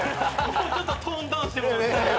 もうちょっとトーンダウンして。